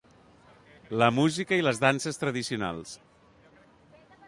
La música i les danses tradicionals.